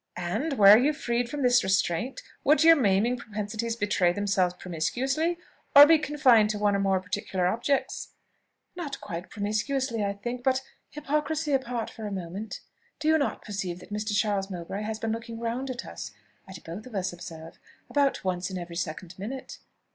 "And, were you freed from this restraint, would your maiming propensities betray themselves promiscuously, or be confined to one or more particular objects?" "Not quite promiscuously, I think. But, hypocrisy apart for a moment, do you not perceive that Mr. Charles Mowbray has been looking round at us, at both of us, observe, about once in every second minute?